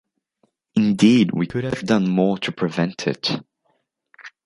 Indeed we could have done more to prevent it.